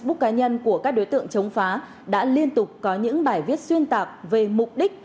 các bức cá nhân của các đối tượng chống phá đã liên tục có những bài viết xuyên tạp về mục đích